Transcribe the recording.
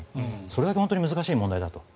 それだけ本当に難しい問題だと。